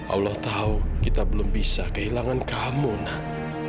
allah tahu kita belum bisa kehilangan kamu nak